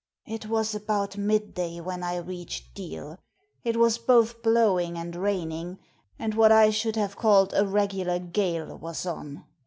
" It was about midday when I reached Deal. It was both blowing and raining, and what I should have called a r^^ular gale was on.